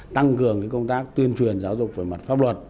tăng cường công tác tuyên truyền giáo dục về mặt pháp luật